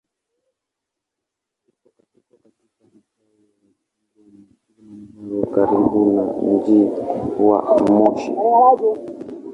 Iko katika Mkoa wa Kilimanjaro karibu na mji wa Moshi.